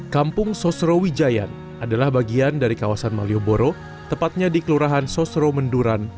kampung sosrawijayan adalah bagian dari kawasan malioboro tepatnya di kelurahan sosro menduran